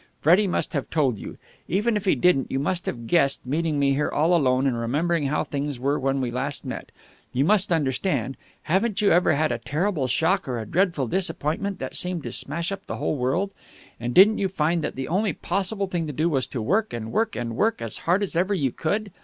Freddie must have told you. Even if he didn't, you must have guessed, meeting me here all alone and remembering how things were when we last met. You must understand! Haven't you ever had a terrible shock or a dreadful disappointment that seemed to smash up the whole world? And didn't you find that the only possible thing to do was to work and work and work as hard as ever you could?